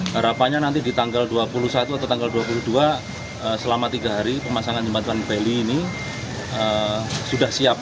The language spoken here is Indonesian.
harapannya nanti di tanggal dua puluh satu atau tanggal dua puluh dua selama tiga hari pemasangan jembatan bali ini sudah siap